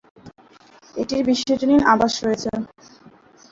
এটির বিশ্বজনীন আবাস রয়েছে।